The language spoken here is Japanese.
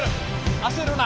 焦るな。